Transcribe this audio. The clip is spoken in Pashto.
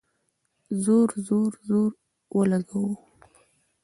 زور ، زور، زور اولګوو